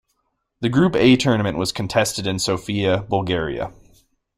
The Group A tournament was contested in Sofia, Bulgaria.